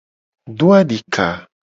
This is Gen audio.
Do adika.